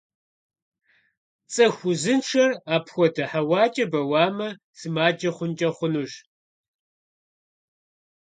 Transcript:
ЦӀыху узыншэр апхуэдэ хьэуакӀэ бауэмэ, сымаджэ хъункӀэ хъунущ.